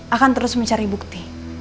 akan terus mencari bukti